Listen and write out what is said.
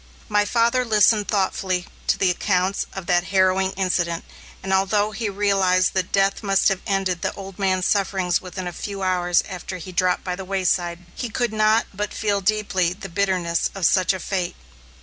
My father listened thoughtfully to the accounts of that harrowing incident, and although he realized that death must have ended the old man's sufferings within a few hours after he dropped by the wayside, he could not but feel deeply the bitterness of such a fate.